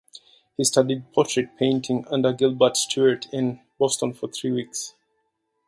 He studied portrait painting under Gilbert Stuart in Boston for three weeks.